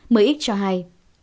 mới ít cho hay